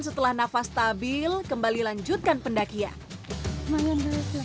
setelah nafas stabil kembali lanjutkan pendakian